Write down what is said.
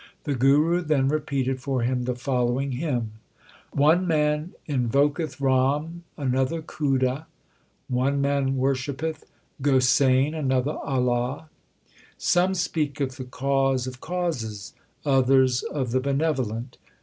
The Guru then repeated for him the following hymn : One man invoketh Ram, another Khuda ; One man worshippeth Gosain, another Allah ; Some speak of the Cause of causes, others of the Benevolent.